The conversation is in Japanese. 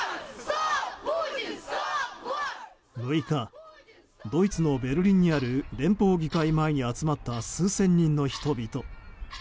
６日、ドイツのベルリンにある連邦議会前に集まった数千人の人々。